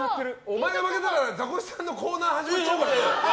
お前が負けたらザコシさんのコーナー始まっちゃうからな。